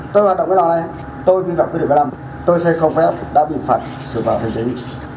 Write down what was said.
tôi hoạt động cái lò này tôi ký vật quyết định ba mươi năm tôi xây không phép đã bị phạt sự phạt hành chính